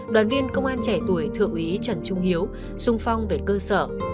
đoàn viên công an trẻ tuổi thượng úy trần trung hiếu sung phong về cơ sở